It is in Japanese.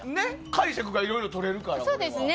解釈がいろいろとれるからね。